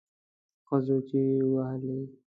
ښځو چیغې وهلې.